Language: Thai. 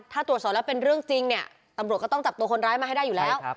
ถ้าตรวจสอบแล้วเป็นเรื่องจริงเนี่ยตำรวจก็ต้องจับตัวคนร้ายมาให้ได้อยู่แล้ว